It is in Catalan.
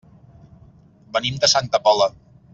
Venim de Santa Pola.